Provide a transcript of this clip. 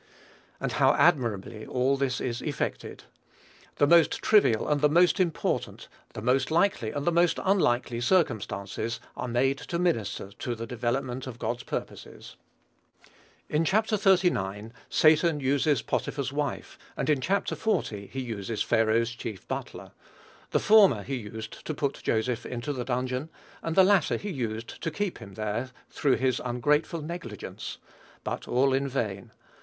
And how admirably all this is effected! The most trivial and the most important, the most likely and the most unlikely circumstances are made to minister to the development of God's purposes. In Chapter xxxix. Satan uses Potiphar's wife, and in Chap. xl. he uses Pharaoh's chief butler. The former he used to put Joseph into the dungeon; and the latter he used to keep him there, through his ungrateful negligence; but all in vain.